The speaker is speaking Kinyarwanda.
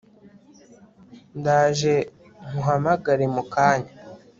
ndaje nkuhamagare mukanya